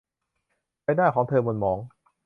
ใบหน้าของเธอหม่นหมอง